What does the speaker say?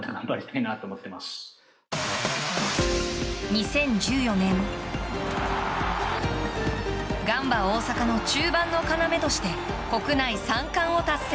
２０１４年ガンバ大阪の中盤の要として国内３冠を達成。